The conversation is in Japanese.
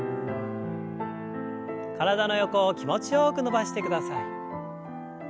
体の横を気持ちよく伸ばしてください。